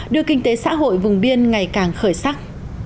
đưa kinh tế xã hội vùng biên ngày càng khởi sắc